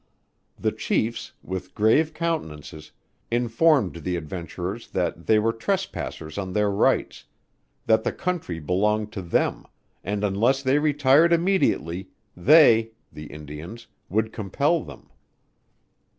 The chiefs, with grave countenances, informed the adventurers that they were trespassers on their rights: that the Country belonged to them, and unless they retired immediately, they, (the Indians), would compel them.